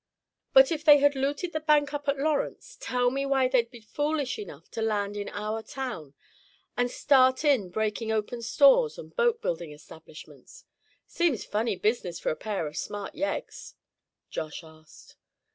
"But if they had looted the bank up at Lawrence, tell me why they'd be foolish enough to land in our town, and start in breaking open stores and boat building establishments? Seems funny business for a pair of smart yeggs?" Josh asked.